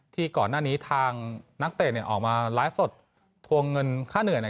ที่ก่อนหน้านี้ทางนักเตะออกมาไลฟ์สดทวงเงินค่าเหนื่อย